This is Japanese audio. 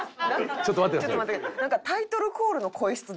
ちょっと待って。